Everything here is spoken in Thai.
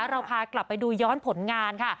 เราพากลับไปดูย้อนผลงานค่ะ